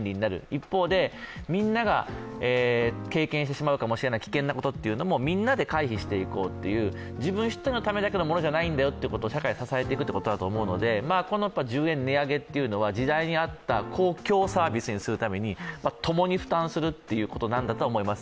一方でみんなが経験してしまうかもしれない危険なこともみんなで回避していこうと、自分１人のものじゃないことが社会を支えていくということだと思うので、１０円値上げというのは時代に合った公共サービスにするために共に負担するということなんだとは思います。